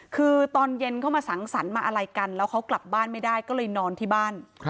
คือตอนเย็นเข้ามาสังสรรค์มาอะไรกันแล้วเขากลับบ้านไม่ได้ก็เลยนอนที่บ้าน